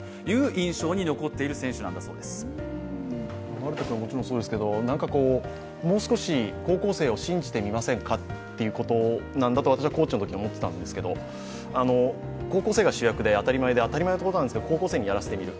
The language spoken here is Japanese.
丸田君ももちろんそうですけど、もう少し高校生を信じてみませんかということなんだと私はコーチのとき思ってたんですけど高校生が主役で当たり前なことなんですけど、高校生にやらせてみる。